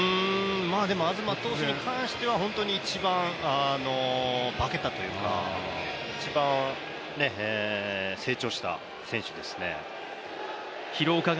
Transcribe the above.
東投手に関しては本当に一番化けたというか一番、成長した選手ですね。